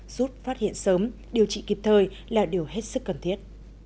rút phát hiện sớm điều trị kịp thời là điều hết sức cần thiết